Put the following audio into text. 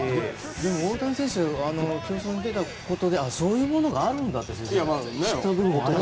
でも、大谷選手競争に出たことでそういうものがあるのかと知ったので。